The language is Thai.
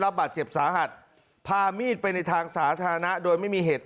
บาดเจ็บสาหัสพามีดไปในทางสาธารณะโดยไม่มีเหตุ